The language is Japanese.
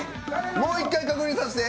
もう一回確認させて。